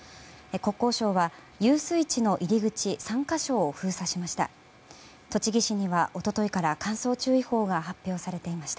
国交省は遊水地の入り口３か所を封鎖しました。